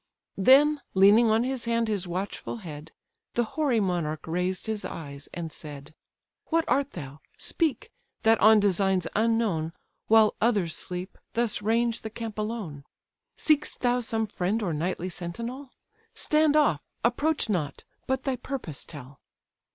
Then, leaning on his hand his watchful head, The hoary monarch raised his eyes and said: "What art thou, speak, that on designs unknown, While others sleep, thus range the camp alone; Seek'st thou some friend or nightly sentinel? Stand off, approach not, but thy purpose tell."